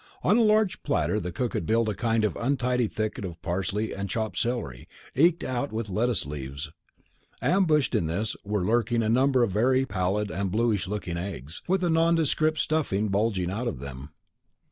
On a large platter the cook had built a kind of untidy thicket of parsley and chopped celery, eked out with lettuce leaves. Ambushed in this were lurking a number of very pallid and bluish looking eggs, with a nondescript stuffing bulging out of them.